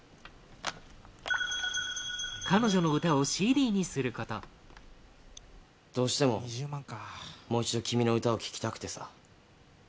彼女の歌をＣＤにすること孝治：どうしても、もう一度君の歌を聴きたくてさ。